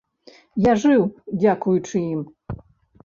Я жыў дзякуючы ім.